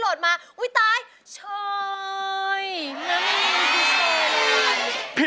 รองได้ให้ลาด